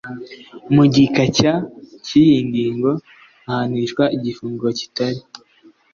mu gika cya cy iyi ngingo ahanishwa igifungo kitari